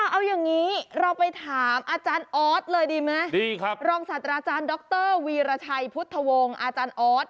เอาอย่างนี้เราไปถามอาจารย์ออสเลยดีไหมรองศาสตราจารย์ดรวีรชัยพุทธวงศ์อาจารย์ออส